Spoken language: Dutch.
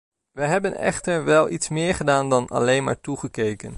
Wij hebben echter wel iets meer gedaan dan alleen maar toegekeken.